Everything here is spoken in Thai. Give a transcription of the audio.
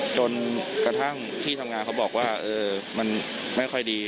จนกระทั่งที่ทำงานเขาบอกว่ามันไม่ค่อยดี